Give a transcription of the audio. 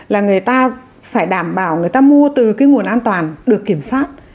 là người ta phải đảm bảo người ta mua từ cái nguồn an toàn được kiểm soát